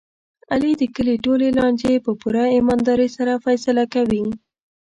علي د کلي ټولې لانجې په پوره ایماندارۍ سره فیصله کوي.